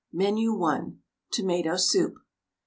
MENU I. TOMATO SOUP.